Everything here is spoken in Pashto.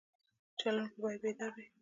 چلوونکی باید بیدار وي.